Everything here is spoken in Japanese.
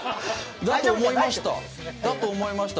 だと思いました。